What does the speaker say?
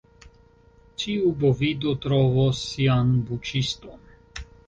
Ĉiu bovido trovos sian buĉiston.